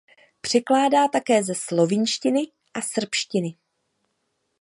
Překládá také ze slovinštiny a srbštiny.